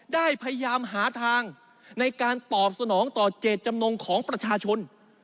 ได้พยายามหาทางในการตอบสนองต่อเจตจำนงของประชาชน